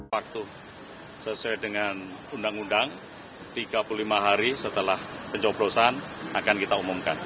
waktu sesuai dengan undang undang tiga puluh lima hari setelah pencoblosan akan kita umumkan